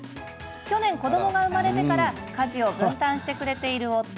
去年、子どもが生まれてから家事を分担してくれている夫。